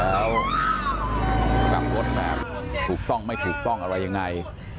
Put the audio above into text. แล้วกลับรถแบบถูกต้องไม่ถูกต้องอะไรยังไง